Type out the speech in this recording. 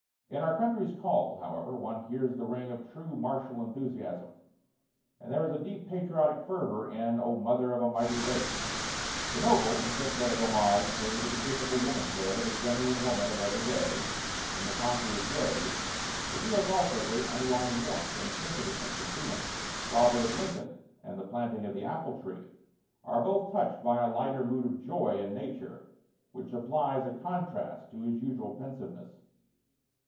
In 'Our Country's Call,' however, one hears the ring of true martial enthusiasm; and there is a deep patriotic fervor in 'O Mother of a Mighty Race.' The noble and sympathetic homage paid to the typical womanhood of a genuine woman of every day, in 'The Conqueror's Grave,' reveals also great underlying warmth and sensitiveness of feeling. 'Robert of Lincoln,' and 'The Planting of the Apple Tree' are both touched with a lighter mood of joy in nature, which supplies a contrast to his usual pensiveness.